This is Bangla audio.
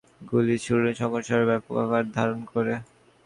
একপর্যায়ে পুলিশ শটগান থেকে গুলি ছুড়লে সংঘর্ষ আরও ব্যাপক আকার ধারণ করে।